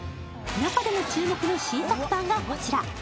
中でも注目の新作パンがこちら。